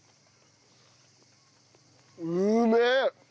うめえ！